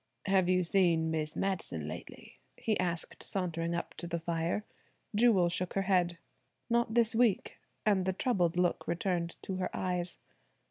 "Have you seen Miss Madison lately?" he asked sauntering up to the fire. Jewel shook her head. "Not this week," and the troubled look returned to her eyes.